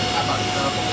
kapal kita lakukan